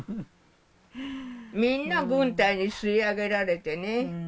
みんな軍隊に吸い上げられてね。